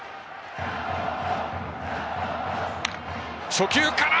初球から！